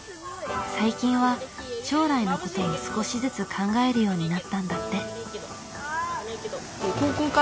最近は将来のことも少しずつ考えるようになったんだって。